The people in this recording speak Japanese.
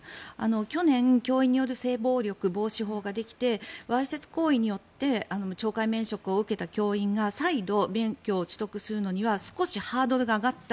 去年教員による性暴力防止法ができてわいせつ行為によって懲戒免職を受けた教員が再度、免許を取得するのには少しハードルが上がった。